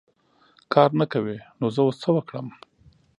کار نه کوې ! نو زه اوس څه وکړم .